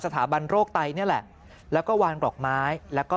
สถาบันโรคไตนี่แหละแล้วก็วางดอกไม้แล้วก็